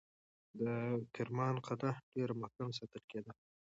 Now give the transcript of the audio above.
د کرمان قلعه ډېر محکم ساتل کېده.